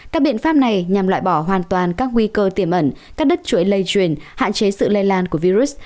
các biện pháp này nhằm loại bỏ hoàn toàn các nguy cơ tiềm ẩn cắt đứt chuỗi lây truyền hạn chế sự lây lan của virus